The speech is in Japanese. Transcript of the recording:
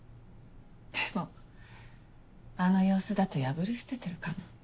でもあの様子だと破り捨ててるかも。